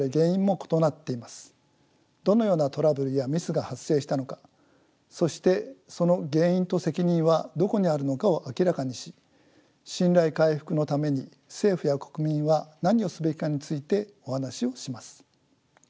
どのようなトラブルやミスが発生したのかそしてその原因と責任はどこにあるのかを明らかにし信頼回復のために政府や国民は何をすべきかについてお話をします。